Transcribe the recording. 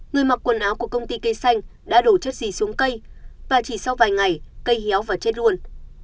người mặc quần áo của công ty cây xanh đã đổ chất gì xuống cây và chỉ sau vài ngày cây héo và chết ruồn